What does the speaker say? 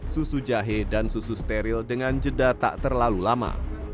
susu jahe dan susu steril dengan jeda tak terlalu lama